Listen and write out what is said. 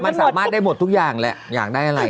มันสามารถได้หมดทุกอย่างแหละอยากได้อะไร